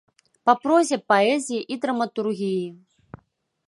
Па прозе, паэзіі і драматургіі.